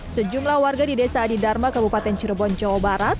sejumlah warga di desa adidharma kabupaten cirebon jawa barat